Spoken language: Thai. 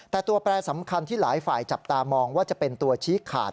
แต่ตัวแปรสำคัญที่หลายฝ่ายจับตามองว่าจะเป็นตัวชี้ขาด